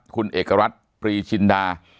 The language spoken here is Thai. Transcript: คุณเอกรัฐปรีชินดา